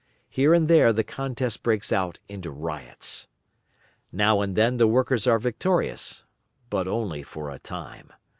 Here and there the contest breaks out into riots. Now and then the workers are victorious, but only for a time.